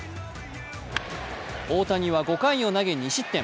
大谷は５回を投げ、２失点。